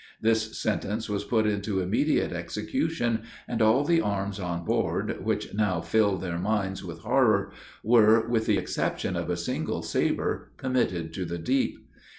This sentence was put into immediate execution! and all the arms on board, which now filled their minds with horror, were, with the exception of a single sabre, committed to the deep.